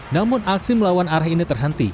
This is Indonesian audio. namun aksi melawan arah ini terhenti